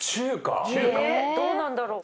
えっどうなんだろう